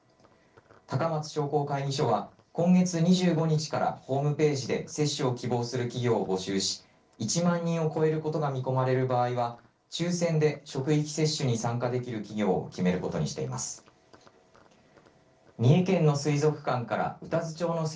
高松商工会議所は今月２５日からホームページで接種を希望する企業を募集し１万人を超えることが見込まれる場合は抽せんで職域接種に参加できる企業を決めることにしています。